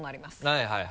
はいはい。